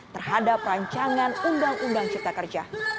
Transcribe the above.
terhadap rancangan undang undang cipta kerja